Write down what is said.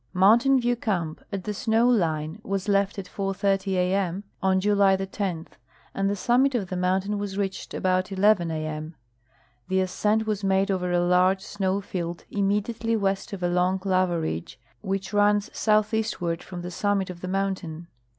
Mountain View camp, at the snow line, Avas left at 4:30 a. m. on July 10, and the summit of the mountain Avas reached about 11:00 a. m. The ascent Avas madeover a large snoAV field imme diately west of a long lava ridge Avhich runs southeastward Irom the summit of the mountain.